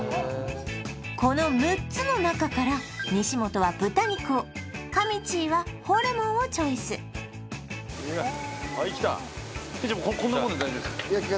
この６つの中から西本は豚肉をかみちぃはホルモンをチョイスはいきた店長こんなもんで大丈夫ですか？